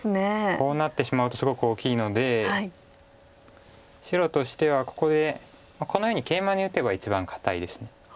こうなってしまうとすごく大きいので白としてはここでこのようにケイマに打てば一番堅いです。